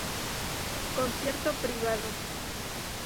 Concierto privado"".